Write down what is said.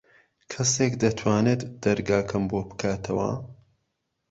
کەسێک دەتوانێت دەرگاکەم بۆ بکاتەوە؟